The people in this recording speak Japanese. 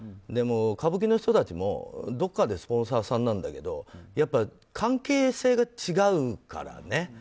でも歌舞伎の人たちもどこかでスポンサーなんだけどやっぱり関係性が違うからね。